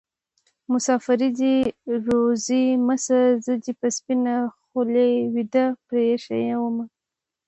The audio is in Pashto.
مسافري دې روزي مه شه زه دې په سپينه خولې ويده پرې ايښې ومه